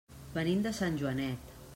Venim de Sant Joanet.